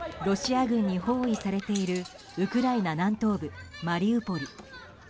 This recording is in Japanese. ロシア軍に包囲されているウクライナ南東部マリウポリ。